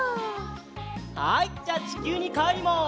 はいじゃちきゅうにかえります。